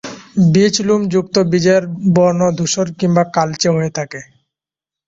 বীজ লোম যুক্ত, বীজের বর্ণ ধূসর কিংবা কালচে হয়ে থাকে।